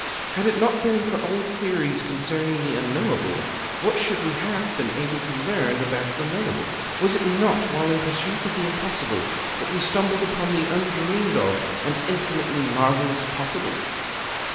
Had it not been for old theories concerning the Unknowable, what should we have been able to learn about the Knowable? Was it not while in pursuit of the Impossible that we stumbled upon the undreamed of and infinitely marvellous Possible?